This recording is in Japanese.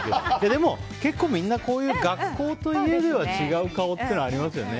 でも結構、みんな学校と家では違う顔っていうのはありますよね。